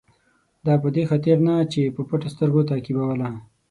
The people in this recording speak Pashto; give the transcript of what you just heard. دا په دې خاطر نه چې په پټو سترګو تعقیبوله.